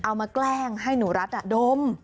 เอามาแกล้งให้หนูรัฐอะดม